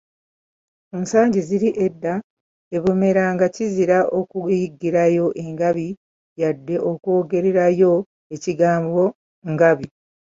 Mu nsangi ziri ez'edda, e Bumera nga kizira okuyiggirayo engabi, yadde okwogererayo ekigambo Ngabi.